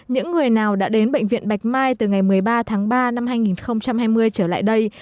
những người nào đã đến bệnh viện bạch mai từ ngày một mươi ba tháng ba năm hai nghìn hai mươi trở lại đây